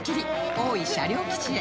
大井車両基地へ